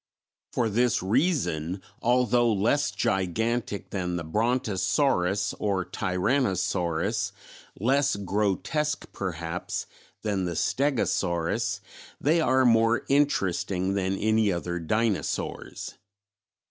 For this reason although less gigantic than the Brontosaurus or Tyrannosaurus, less grotesque perhaps, than the Stegosaurus, they are more interesting than any other dinosaurs.